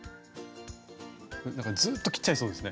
なんかずっと切っちゃいそうですね。